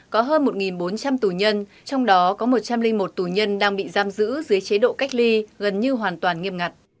có hơn một bốn trăm linh tù nhân trong đó có một trăm linh một tù nhân đang bị giam giữ dưới chế độ cách ly gần như hoàn toàn nghiêm ngặt